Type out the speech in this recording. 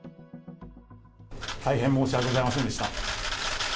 大変申し訳ございませんでした。